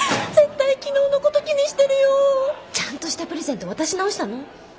絶対昨日のこと気にしてるよ。ちゃんとしたプレゼント渡し直したの？